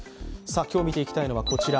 今日見ていきたいのは、こちら。